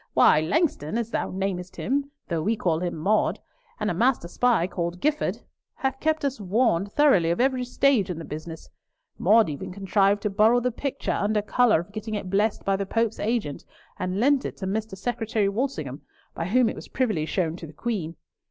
Why, Langston, as thou namest him, though we call him Maude, and a master spy called Gifford, have kept us warned thoroughly of every stage in the business. Maude even contrived to borrow the picture under colour of getting it blessed by the Pope's agent, and lent it to Mr. Secretary Walsingham, by whom it was privily shown to the Queen.